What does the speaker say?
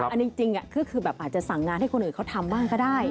อันนี้จริงคือแบบอาจจะสั่งงานให้คนอื่นเขาทำบ้างก็ได้